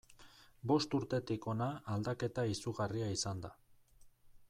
Bost urtetik hona aldaketa izugarria izan da.